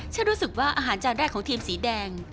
ฉันรู้สึกว่าอาหารจานแรกของทีมสีแดง